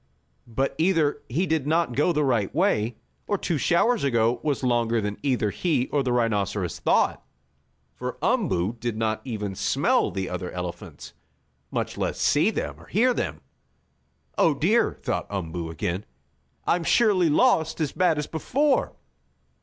But either he did not go the right way, or two showers ago was longer than either he or the rhinoceros thought, for Umboo did not even smell the other elephants, much less see them or hear them. "Oh, dear!" thought Umboo again. "I'm surely lost as bad as before!